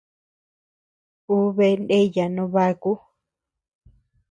Ú bea ndeyaa no baku.